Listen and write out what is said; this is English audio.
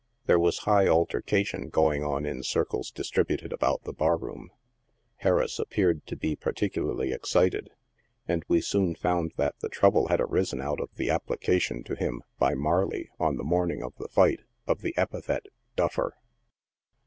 There was high altercation going on in circles distributed about the bar room. Harris appeared to be par ticularly excited, and we soon found that the trouble had arisen out of the application to him, by Marley, on the morning of the fight, of the epithet " duffer."